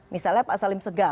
misalnya pak salim segaf